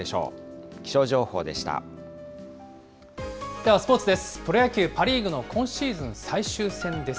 ではスポーツです。